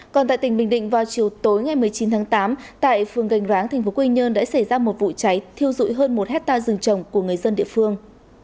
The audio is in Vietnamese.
còn tại tỉnh bình định vào chiều tối ngày một mươi chín tháng tám tại phường gành ráng tp quy nhơn đã xảy ra một vụ cháy thiêu dụi hơn một hectare rừng trồng của người dân địa phương